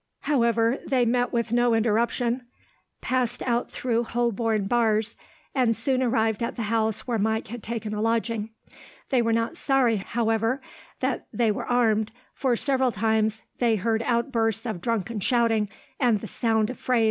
However, they met with no interruption, passed out through Holborn Bars, and soon arrived at the house where Mike had taken a lodging. They were not sorry, however, that they were armed, for, several times, they heard outbursts of drunken shouting and the sound of frays.